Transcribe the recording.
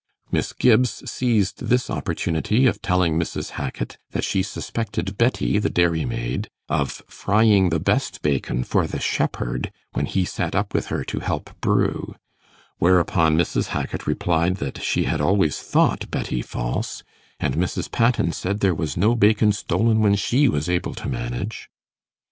Miss Gibbs seized this opportunity of telling Mrs. Hackit that she suspected Betty, the dairymaid, of frying the best bacon for the shepherd, when he sat up with her to 'help brew'; whereupon Mrs. Hackit replied that she had always thought Betty false; and Mrs. Patten said there was no bacon stolen when she was able to manage.